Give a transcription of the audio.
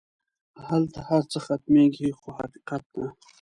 هلته هر څه ختمېږي خو حقیقت نه.